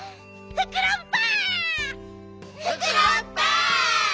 フクロンパ！